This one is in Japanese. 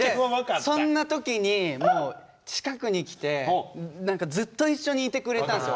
そんな時に近くに来て何かずっと一緒にいてくれたんですよ